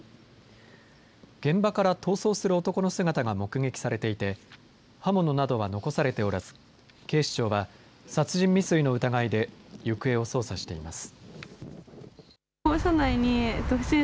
現場から逃走する男の姿が目撃されていて刃物などは残されておらず警視庁は殺人未遂の疑いで行方を捜査しています。